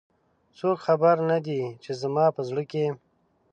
څوک خبر نه د ی، چې زما په زړه کې